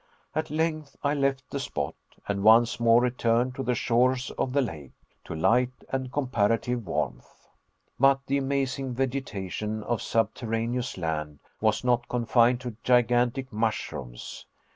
At length I left the spot, and once more returned to the shores of the lake, to light and comparative warmth. But the amazing vegetation of subterraneous land was not confined to gigantic mushrooms.